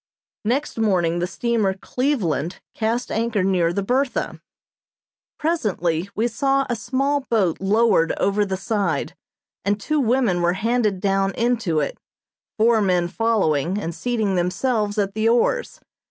Next morning the steamer "Cleveland" cast anchor near the "Bertha." Presently we saw a small boat lowered over the side and two women were handed down into it, four men following and seating themselves at the oars.